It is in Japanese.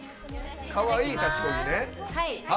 かわいい立ち漕ぎね。